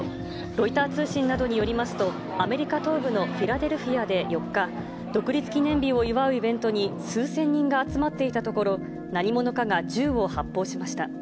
ロイター通信などによりますと、アメリカ東部のフィラデルフィアで４日、独立記念日を祝うイベントに数千人が集まっていたところ、何者かが銃を発砲しました。